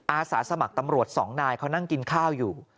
อาสาสมัครตำรวจสองนายเขานั่งกินข้าวอยู่